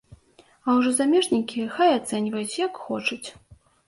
А ўжо замежнікі хай ацэньваюць, як хочуць.